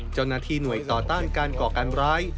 เจ้าหน้าที่หน่วยต่อต้านการก่อการร้าย